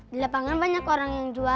di lapangan banyak orang yang jual